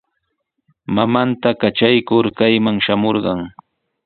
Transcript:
Mamanta katraykur kayman shamurqan.